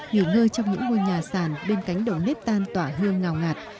nghỉ ngơi trong những ngôi nhà sàn bên cánh đầu nếp tan tỏa hương ngào ngạt